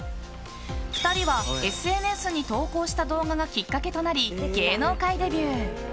２人は、ＳＮＳに投稿した動画がきっかけとなり芸能界デビュー。